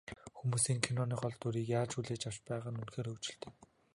Хүмүүс энэ киноны дүрийг яаж хүлээж авч байгаа нь үнэхээр хөгжилтэй.